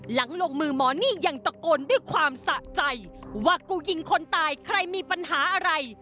หลังลงมือหมอนี่ยังตะโกนด้วยความสะใจว่ากูยิงคนตายใครมีปัญหาอะไร